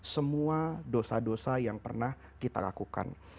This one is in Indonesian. semua dosa dosa yang pernah kita lakukan